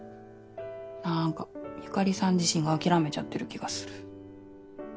なんか由香里さん自身が諦めちゃってる気がする。